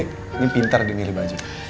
ini pintar dia milih baju